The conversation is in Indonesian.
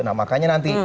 nah makanya nanti